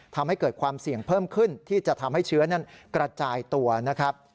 ทำให้เกิดความเสี่ยงเพิ่มขึ้นที่จะทำให้เชื้อนั้นกระจายตัวนะครับ